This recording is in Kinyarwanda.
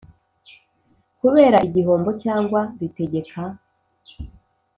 Kubera igihombo cyangwa ritegeka